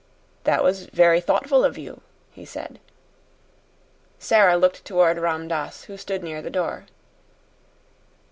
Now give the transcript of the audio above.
"That was very thoughtful of you," he said. Sara looked toward Ram Dass, who stood near the door.